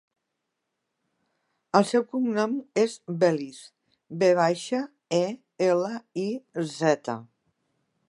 El seu cognom és Veliz: ve baixa, e, ela, i, zeta.